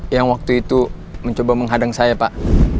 yang waktu itu mencoba menghadang saya pak